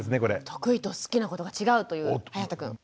得意と好きなことが違うというはやたくん。